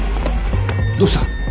どうした？